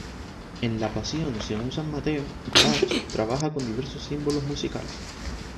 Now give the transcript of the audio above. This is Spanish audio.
En la "Pasión según San Mateo" Bach trabaja con diversos símbolos musicales.